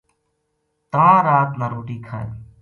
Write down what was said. تاں رات نا روٹی کھائے